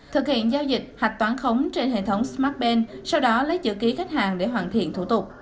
thực hiện giao dịch hạch toán khống trên hệ thống smartbank sau đó lấy chữ ký khách hàng để hoàn thiện thủ tục